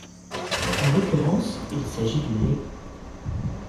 En l'occurrence, il s'agit du Lay.